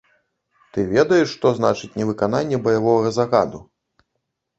Ты ведаеш, што значыць невыкананне баявога загаду?